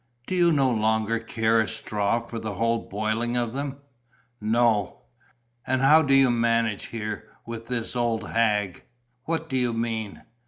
Do you no longer care a straw for the whole boiling of them?" "No." "And how do you manage here, with this old hag?" "What do you mean?"